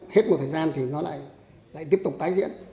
hết một thời gian thì nó lại tiếp tục tái diễn